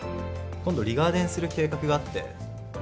今度リガーデンする計画があって。